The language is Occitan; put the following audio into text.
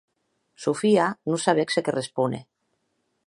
Sofia non sabec se qué respóner.